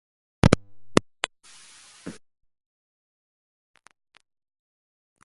La música es del prolífico Augusto Algueró.